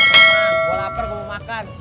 gue lapar gue mau makan